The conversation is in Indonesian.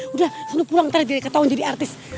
udah seneng pulang ntar ya diri ketahuan jadi artis